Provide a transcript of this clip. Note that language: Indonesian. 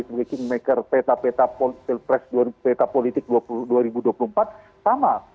sebagai kingmaker peta peta pilpres peta politik dua ribu dua puluh empat sama